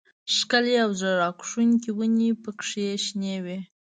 ښکلې او زړه راښکونکې ونې پکې شنې وې.